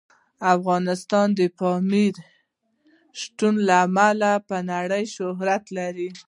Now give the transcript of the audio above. افغانستان د پامیر د شتون له امله په نړۍ شهرت لري.